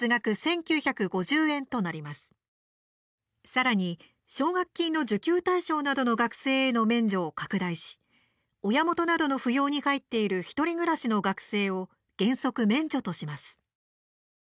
さらに、奨学金の受給対象などの学生への免除を拡大し親元などの扶養に入っている１人暮らしの学生を原則免除とします。